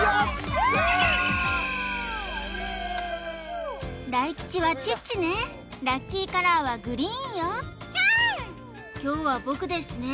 イエーイ大吉はチッチねラッキーカラーはグリーンよ凶は僕ですね